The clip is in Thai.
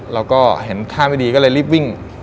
เราก็เห็นท่าไม่ดีก็เลยรีบวิ่ง